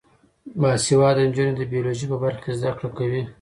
باسواده نجونې د بیولوژي په برخه کې زده کړې کوي.